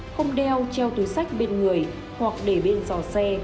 không đeo treo túi sách bên người hoặc để bên giò xe